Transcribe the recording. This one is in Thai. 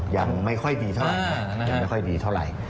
ยังไม่ค่อยดีเท่าไหร่